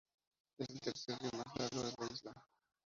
Es el tercer río más largo de la isla.